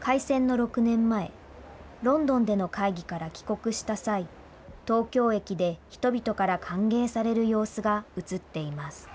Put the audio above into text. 開戦の６年前、ロンドンでの会議から帰国した際、東京駅で人々から歓迎される様子が写っています。